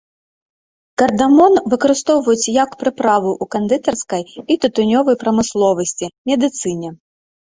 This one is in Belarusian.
Кардамон выкарыстоўваюць як прыправу ў кандытарскай і тытунёвай прамысловасці, медыцыне.